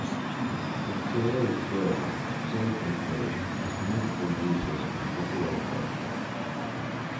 "The generic term "Shake and Bake" has multiple uses in popular culture.